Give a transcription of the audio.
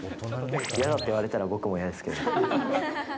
嫌だって言われたら僕も嫌ですけど。